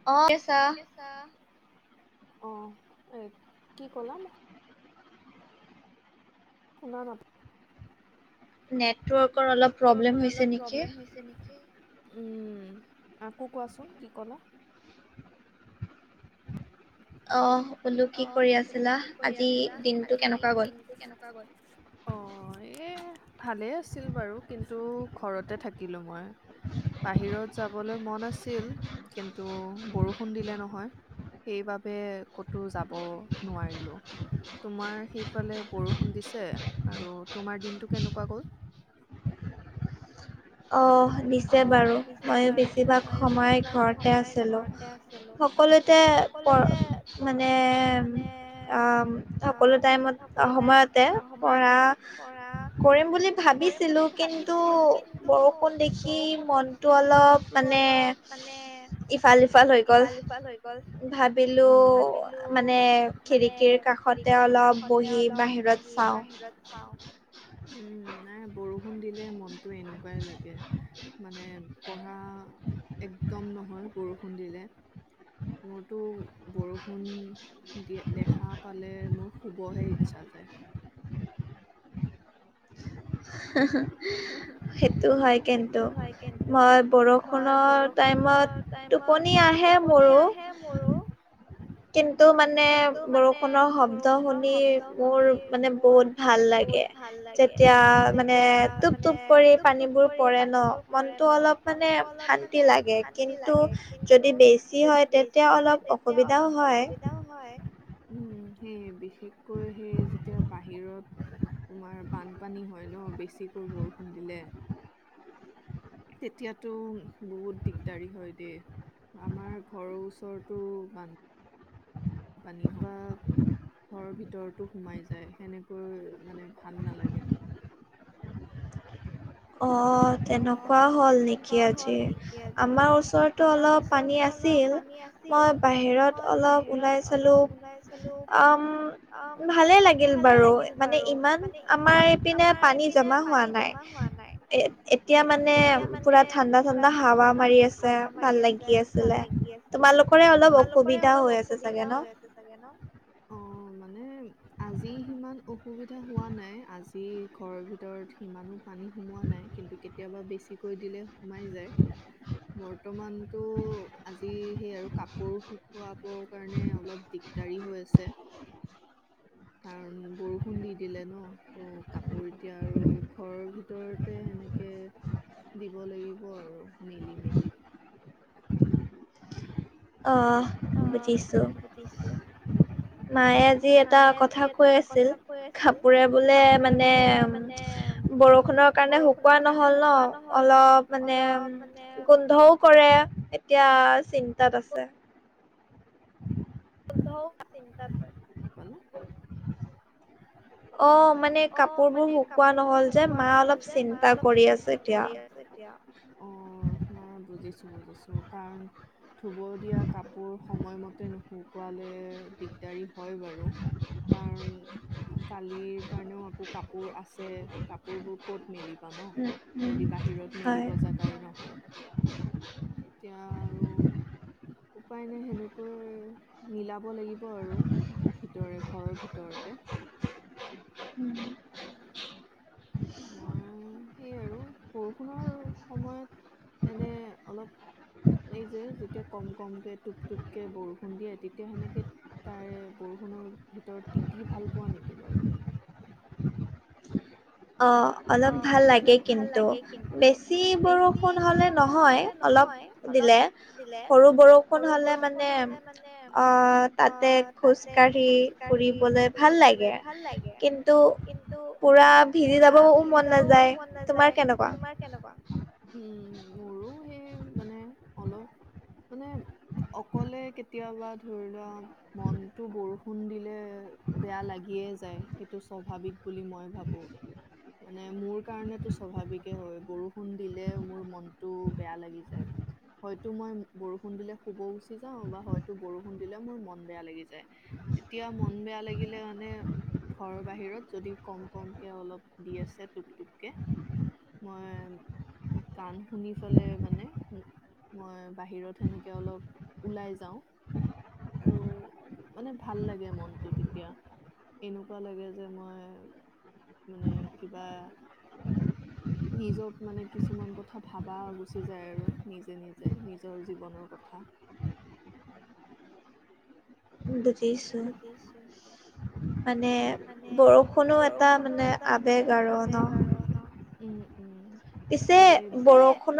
[unintelligible] ছা? অ' এ কি ক'লা? শুনা নাপ নেটৱৰ্ক নেটৱৰ্কৰ অলপ প্ৰব্লেম হৈছে নেকি? উম, আকৌ কোৱাচোন কি ক'লা? অহ, বোলো অহ, বোলো কি কৰি আছিলা, আজিৰ দিনটো কেনেকুৱা গ'ল? অ' এই ভালেই আছিল বাৰু, কিন্তু ঘৰতে থাকিলো মই। বাহিৰত যাবলৈ মন আছিল, কিন্তু বৰষুণ দিলে নহয়। সেইবাবে ক'তো যাব নোৱাৰিলো। তোমাৰ সেইফালে বৰষুণ দিছে আৰু তোমাৰ দিনটো কেনেকুৱা গ'ল? অহ। দিছে বাৰু, ময়ো বেছিভাগ সময় ঘৰতে আছিলোঁ। সকলোতে- পৰ মানে অম সকলো টাইমত সময়ত তে কৰা কৰিম বুলি ভাবিছিলো কিন্তু বৰষুণ দি বৰষুণ দেখি মনটো অলপ মানে ইফাল সিফাল হৈ গ'ল ভাবিলো মানে খিৰিকীৰ কাষতে অলপ বহি বাহিৰত চাওঁ, উম নাই বৰষুণ দিলে মনটো এনেকুৱাই লাগে। উ [unintelligible] মানে পঢ়া একদম নহয় বৰষুণ দিলে। মোৰতো বৰষুণ দেখা পালে মোৰ শুবহে ইচ্ছা যায়। হ [unintelligible] সেইটো হয় কিন্তু, মই বৰষুণৰ টাইমত টোপনি আহে মোৰো। মোৰো। কিন্তু মানে বৰষুণৰ শব্দ শুনি মোৰ মানে বহুত ভাল লাগে, যেতিয়া মানে টোপ টোপ কৰি পানীবোৰ পৰে ন মনটো অলপ মানে শান্তি লাগে। কিন্তু যদি বেছি হয় তেতিয়া অলপ অসুবিধাও হয়। ও'ম সেইয়ে বিশ ষকৈ হেই যেতিয়া বাহিৰত তোমাৰ বানপানী হয় ন বেছিকৈ বৰষুণ দিলে। তেতিয়াতো বহুত দিগদাৰি হয় দেই। আমাৰ ঘৰৰ ওচৰতো বান পানী হয়। ঘৰৰ ভিতৰতো সোমাই যায় সেনেকৈ মানে ভাল নালাগে। অ তেনেকুৱা হ'ল নেকি আজি আমাৰ ওচৰতো অলপ পানী আছিল মই বাহিৰত অলপ ওলাই চালো আম ভালে লাগিল বাৰু মানে ইমান আমাৰ এইপিনে পানী জমা হোৱা নাই এ এতিয়া মানে পুৰা ঠাণ্ডা ঠাণ্ডা হাৱা মাৰি আছে ভাল লাগি আছিলে তোমালোকৰে অলপ অসুবিধা হৈ আছে চাগে ন চাগে ন অ মানে আজি সিমান অসুবিধা হোৱা নাই আজি ঘৰৰ ভিতৰত সিমানো পানী সোমোৱা নাই কিন্তু কেতিয়াবা বেছিকৈ দিলে সোমাই যায় বৰ্তমানতো আজি সেই আৰু কাপোৰ শুকুৱাব কাৰণে অলপ দিগদাৰি হৈ আছে [unintelligible] কাৰণ বৰষুণ দি দিলে ন ত কাপোৰ এতিয়া আৰু ঘৰৰ ভিতৰতে সেনেকে কে দিব লাগিব আৰু মিলি মেলি [unintelligible] অ অহ বুজিছো মায়ে আজি এটা কথা কৈ আছিল কাপোৰে বোলে মানে বৰষুণৰ কাৰণে শুকুৱা নহল ন অলপ মানে গোন্ধও কৰে এতিয়া চিন্তাত আছে ধৌ চিন্তা আছে মানুহ অ অ মানে কাপোৰ বোৰ শুকোৱা নহল যে মা অলপ চিন কৰি আছে এতিয়া অ নাই বুজিছো বুজিছো কাৰণ ধুব দিয়া কাপোৰ সময়মতে নুশুকোৱালে দিগদাৰি হয় বাৰু কাৰণ কালিৰ কাৰণেও আকৌ কাপোৰ আছে কাপোৰ বোৰ ক'ত মেলিব ন যদি বাহিৰত মেলিব জাগাই নহয় এতিয়া আৰু উপায় নাই সেনেকৈ মিলাব লাগিব আৰু ভিতৰে ঘৰৰ ভিতৰতে উম। উম। মই সেয়ে আৰু বৰষুণৰ সময়ত এনে অলপ এই যে যেতিয়া কম কমকে টোপ-টোপকে বৰষুণ দিয়ে তেতিয়া সেনেকে তাৰে বৰষুণৰ ভিতৰত তিতি ভাল পোৱা নেকি বাৰু তুমি অ অলপ ভাল লাগে কিন্তু, বেছি বৰষুণ হ'লে নহয় অলপ দিলে সৰু বৰষুণ হ'লে মানে অ' তাতে খোজ কাঢ়ি ফুৰিবলে ভাল লাগে। কিন্তু পুৰা ভি ভিজি যাবও ভিজি যাবও মন নাযায় তোমাৰ কেনেকোৱা উম মোৰো সেই মানে অলপ মানে অকলে কেতিয়াবা ধৰি লোৱা মনটো বৰষুণ দিলে বেয়া লাগিয়ে যায় সেইটো স্বাভাৱিক বুলি মই ভাবো। মানে মোৰ কাৰণেটো স্বাভাৱিকে হয়, বৰষুণ দিলে মোৰ মনটো বেয়া লাগি যায়। হয়তো মই বৰষুণ দিলে শুব গুচি যাওঁ বা হয়তো বৰষুণ দিলে মোৰ মন বেয়া লাগি যায়। তেতিয়া মন বেয়া লাগিলে মানে ঘৰৰ বাহিৰত যদি কম কমকে অলপ দি আছে টুপ টুপকে, মই গান শুনি ফালে মানে উ মই বাহিৰত সেনেকে অলপ ওলাই যাওঁ। আৰু মানে ভাল লাগে মনটো তেতিয়া। এনেকুৱা লাগে যে মই মানে কিবা নিজক মানে কিছুমান কথা ভাবা গুচি যায় আৰু নিজে নিজে নিজৰ জীৱনৰ কথা। বুজি বুজিছোঁ। [inaudible] মানে বৰষুণো এটা মানে আৱেগ আৰু ন'। আৰু এই, পিছে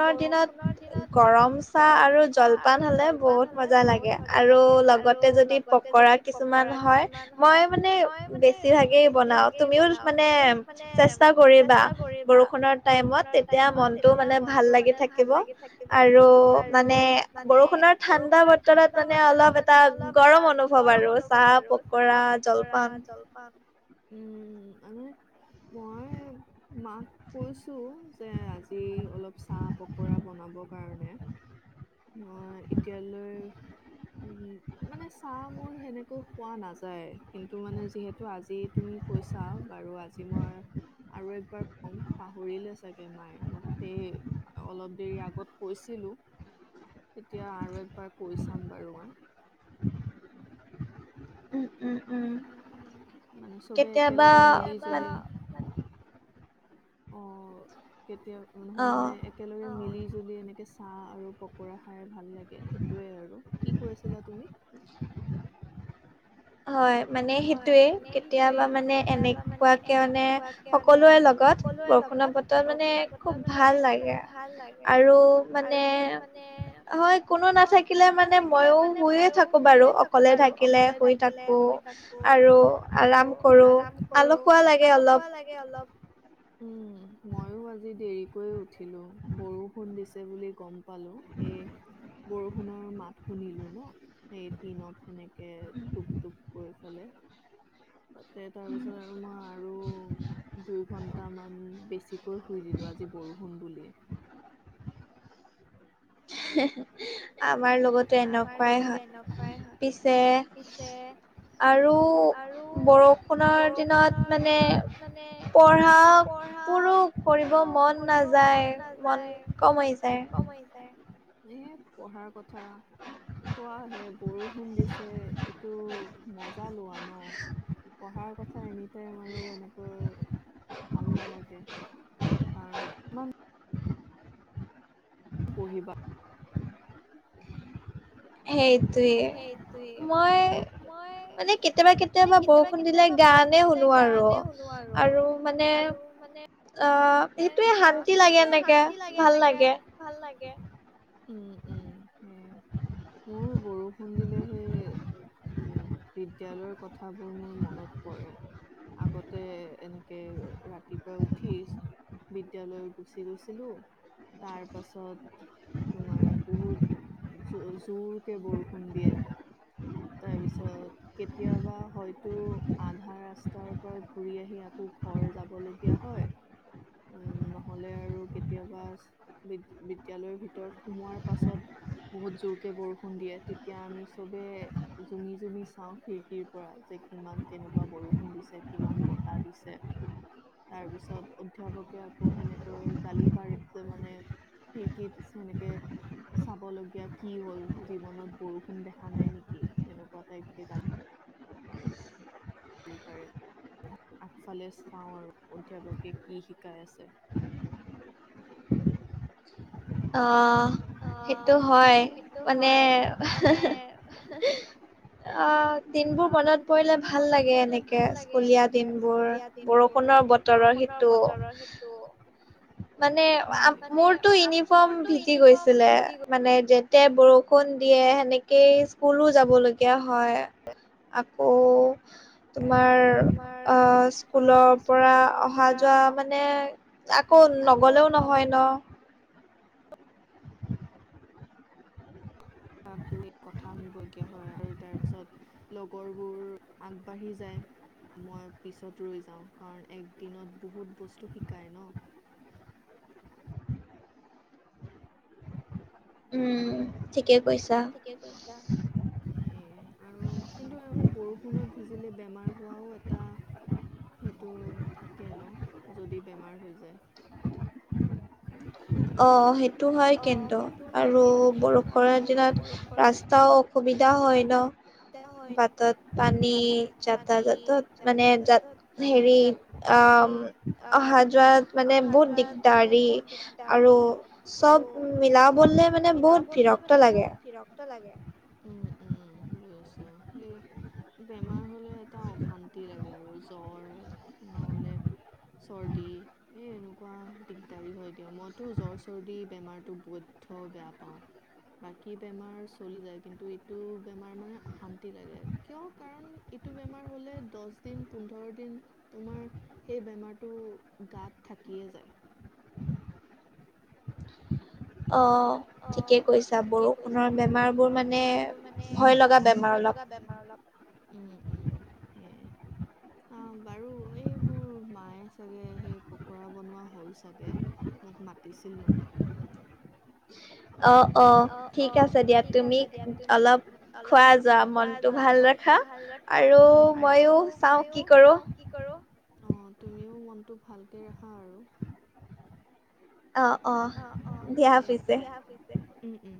বৰষুণৰ দিনত গৰম চাহ আৰু জল পান হ'লে বহুত মজা লাগে আৰু লগতে যদি পকৰা কিছুমান হয়, মই মই মানে বেছিভাগেই বনাওঁ। তুমিও মানে চেষ্টা কৰিবা বৰষুণৰ টাইমত তেতিয়া মনটো মানে ভাল লাগি থাকিব আৰু মানে বৰষুণৰ ঠাণ্ডা বতৰত মানে অলপ এটা গৰম অনুভৱ আৰু চাহ, পকৰা জলপান। উম, আমাৰ মাক কৈছোঁ যে আজি অলপ চাহ, পকৰা বনাব কাৰণে। মই এতিয়ালৈ উম, মানে চাহ মোৰ সেনেকে খোৱা নাযায়। কিন্তু মানে যিহেতু আজি তুমি কৈছা, বাৰু আজি মই আৰু একবাৰ ক'ম, পাহৰিলে চাগে মায়ে মই গোটেই অলপ দেৰি আগত কৈছিলোঁ, এতিয়া আৰু একবাৰ কৈ চাম বাৰু মই। [inaudible] উম, উম, উম। মানে চবে একেলগে মিলি জুলি, কেতিয়াবা অ' কেতিয়া নহয় মানে এক একেলগে মিলি জুলি এনেকে চাহ আৰু পকৰা খাই ভাল লাগে সেইটোৱে আৰু। কি কৈ আছিলা তুমি? [inaudible] হয় মানে সেইটোয়ে কেতিয়াবা মানে এনেকুৱাকে মানে সকলোৰে লগত বৰষুণৰ বতৰত মানে খুব ভাল লাগে আৰু মানে হয় কোনো নাথাকিলে মানে মইও শুয়ে থাকোঁ বাৰু, অকলে থাকিলে শুই থাক ৰো আৰু আৰাম কৰোঁ, আলসোৱা লাগে গে অলপ। উম, ময়ো আজি দেৰি কৈয়ে উঠিলোঁ, বৰষুণ দিছে বুলি গম পালোঁ এই বৰষুণৰ মাত শুনিলোঁ ন' সেই টিনত সেনেকে টোপ টোপ কৈ ফেলে। তাতে তাৰপিছত আৰু মই আৰু দুই ঘণ্টামান বেছিকৈ শুই দিলোঁ আজি বৰষুণ বুলিয়ে। [inaudible] আমাৰ লগতো এনেকুৱাই হয়। পিছে আৰু বৰষুণৰ দিনত মানে পঢ়া পঢ়ো, কৰিব মন নাযায়, মন কম হৈ যায়। সে পঢ়াৰ কথা থোৱাহে, বৰষুণ দিছে এইটো মজা লোৱা ন'। [unintelligible] কথা এনিটাইম আৰু এনেকৈ ভাল নালাগে। [unintelligible] পঢ়িবা সেইটোৱে, মই মানে কেতিয়াবা-কেতিয়াবা বৰষুণ দিলে গানে শুনো আৰু, আৰু মানে আহ সেইটোয়ে শান্তি লাগে এনেকে ভাল লাগে। ভাল লাগে, উম, উম, উম। মোৰো বৰষুণ দিলে সেই উম, বিদালয়ৰ কথাবোৰ মোৰ মনত পৰে। আগতে এনেকে ৰাতিপুৱাই উঠি বিদ্যালয় গুচি গৈছিলো তাৰ পাছত তোমাৰ বহুত জু জোৰকে বৰষুণ দিয়ে। তাৰপিছত কেতিয়াবা হয়তো আধা ৰাস্তাৰ পৰা ঘূৰি আহি আকৌ ঘৰ যাবলগীয়া হয়। উম, নহলে আৰু কেতিয়াবা বি বিদ্যালয়ৰ ভিতৰত সোমোৱাৰ পাছত বহুত জোৰকে বৰষুণ দিয়ে তেতিয়া আমি চবে জুমি-জুমি চাওঁ খিৰিকীৰ পৰা যে কিমান কেনেকুৱা বৰষুণ দিছে, কিমান বতাহ দিছে। তাৰপিছত অধ্যাপকে আকৌ সেনেকৈ গালি পাৰে যে মানে খিৰিকীত সেনেকে চাব লগীয়া কি হল জীৱনত বৰষুণ দেখা নাই নেকি? সেনেকুৱা টাইপ কে গাল গালি পাৰে আগফালে চাওঁ আৰু অধ্যাপকে কি শিকাই আছে। [inaudible] আহ, সেইটো হয় মানে অ' দিনবোৰ মনত পৰিলে ভাল লাগে এনেকে স্কুলীয়া দিন বোৰ বৰষুণৰ বত বতৰৰ সেইটো, মানে মানে মোৰটো ইউনিফৰ্ম ভিজি গৈছিলে। মানে যেতিয়াই বৰষুণ দিয়ে সেনেকেই স্কুলো যাবলগীয়া হয়। আকৌ তোমাৰ অ' স্কুলৰ পৰা অহা-যোৱা মানে হুন নগ'লেও নহয় ন'। আকৌ এই কথা শুনিবগীয়া হয় আৰু তাৰ পিছত লগৰবোৰ আগবাঢ়ি যায়। মই পিছত ৰৈ যাওঁ কাৰণ একদিনত বহুত বস্তু শিকায় ন'? উম, উম, ঠিকে কৈছা। সে আৰু কিন্তু আকৌ বৰষুণত ভিজিলে বেমাৰ হোৱাও এটা সেটো থাকে ন যদি বেমাৰ হৈ যায়। অ' সেইটো হয় কিন্তু আৰু বৰষুৰ দিনত ৰাস্তাও সুবিধা হয় ন? বাটত পানী যাতা জাতত মানে জাত হেৰি আহ অহা যোৱাত মানে বহুত দিগদাৰী আৰু চব মিলাবলে মানে বহুত বিৰক্ত লাগে। [unintelligible] লাগে উম, উম [unintelligible] বেমাৰ হ'লে এটা অশান্তি লাগে আৰু জ্বৰ নহ'লে ছৰ্দি এই এনেকুৱা দিগদাৰী হয় দিয়া মইতো জ্বৰ চৰ্দি বেমাৰটো বৈদ্ধ বেয়া পাওঁ বাকী বেমাৰ চলি যায় কিন্ ন্তু ইটো বেমাৰ মানে অশান্তি লাগে কিয় কাৰণ ইটো বেমাৰ হ'লে দহ দিন পোন্ধৰ দিন তোমাৰ সেই বেমাৰটো গাত থাকিয়ে যায় অ ঠিকে কৈছা বৰষুণৰ বেমাৰ বোৰ মানে ভয় লগা বেম তোমাৰ অলপ উম উম অ বাৰু এই মোৰ মায়ে চাগে সেই পকৰা বনোৱা হ'ল চাগে মোক মাতিছিল মানে অ অ ঠিক আছে দিয়া তুমি অলপ খোৱা যোৱা মনটো ভাল ৰাখ হা আৰু মইয়ো চাও কি কৰোঁ অ তুমিও মনটো ভালকে ৰাখা আৰু অ অ অ দিয়া, দিয়া পিছে উম উম